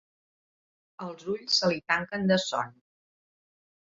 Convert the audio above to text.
Els ulls se li tanquen de son.